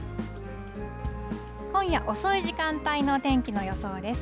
今夜遅い時間帯の天気の予想です。